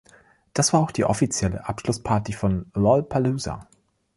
Das war auch die offizielle Abschlussparty von Lollpalooza.